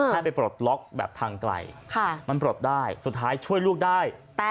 ให้ไปปลดล็อกแบบทางไกลมันปลดได้สุดท้ายช่วยลูกได้